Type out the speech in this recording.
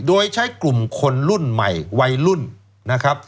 โดยใช้กลุ่มคนรุ่นใหม่วัยรุ่นนะครับ